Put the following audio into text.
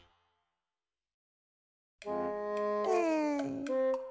うん。